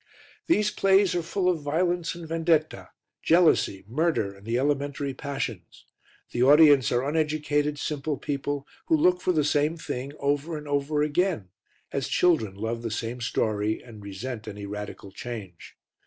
These plays are full of violence and vendetta, jealousy, murder and the elementary passions. The audience are uneducated, simple people who look for the same thing over and over again, as children love the same story and resent any radical change.